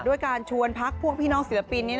ด้วยการชวนพักพวกพี่น้องศิลปิน